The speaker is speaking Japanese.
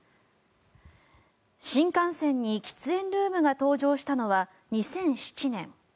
新幹線に喫煙ルームが登場したのは２００７年。